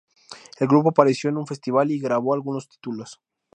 El grupo apareció en un festival y grabó algunos títulos.